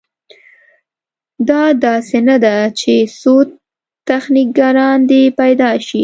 دا داسې نه ده چې څو تخنیکران دې پیدا شي.